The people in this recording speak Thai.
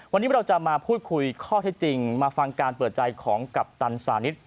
วันนี้เราจะมาพูดคุยข้อเท็จจริงมาฟังการเปิดใจของกัปตันสานิท